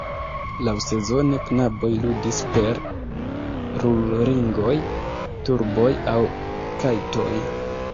Laŭsezone, knaboj ludis per rulringoj, turboj aŭ kajtoj.